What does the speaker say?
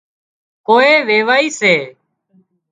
ڪوئي ويوائي سي